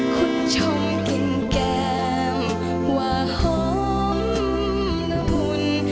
คุณชมกลิ่นแก้มว่าหอมหุ่น